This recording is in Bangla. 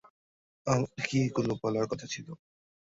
আমার কি এগুলোই বলার কথা ছিল?